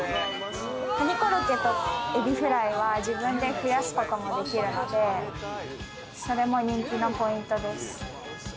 カニコロッケとエビフライは自分で増やすこともできるので、それも人気のポイントです。